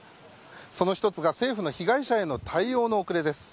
その一つが政府の被害者への対応の遅れです。